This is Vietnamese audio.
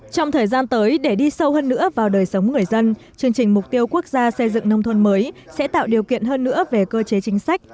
trong thời gian tới để đi sâu hơn nữa vào đời sống người dân chương trình mục tiêu quốc gia xây dựng nông thôn mới sẽ tạo điều kiện hơn nữa về cơ chế chính sách